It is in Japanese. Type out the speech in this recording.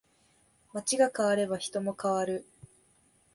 街が変われば人も変わる